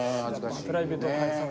プライベートは。